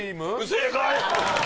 正解！